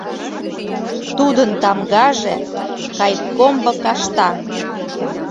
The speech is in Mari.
Тудын тамгаже — кайыккомбо кашта.